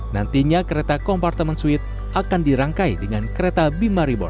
nantinya kereta kompartemen suite akan dirangkai dengan kereta bima rebor